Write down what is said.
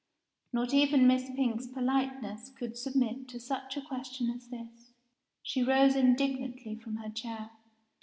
Not even Miss Pink's politeness could submit to such a question as this. She rose indignantly from her chair.